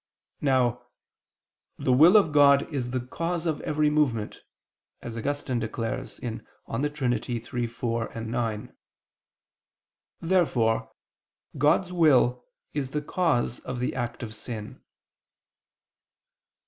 Now "the will of God is the cause of every movement," as Augustine declares (De Trin. iii, 4, 9). Therefore God's will is the cause of the act of sin.